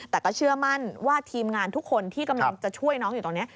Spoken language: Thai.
แต่ก็เชื่อมั่นว่าทีมงานทุกคนที่กำลังจะช่วยน้องอยู่ตรงนี้